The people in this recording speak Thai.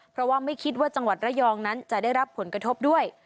เพราะว่าไม่คิดว่าจังหวัดระยองนั้นจะได้รับผลกระทบด้วย